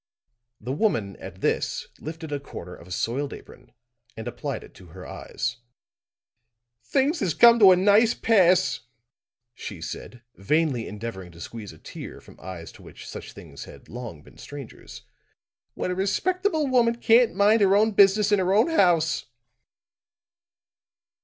The woman at this lifted a corner of a soiled apron and applied it to her eyes. "Things is come to a nice pass," she said, vainly endeavoring to squeeze a tear from eyes to which such things had long been strangers, "when a respectable woman can't mind her own business in her own house."